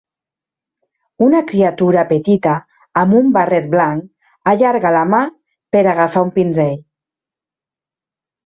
Una criatura petita amb un barret blanc allarga la mà per agafar un pinzell.